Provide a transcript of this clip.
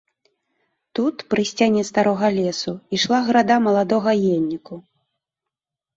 Тут, пры сцяне старога лесу, ішла града маладога ельніку.